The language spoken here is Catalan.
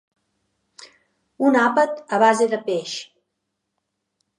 Un àpat a base de peix.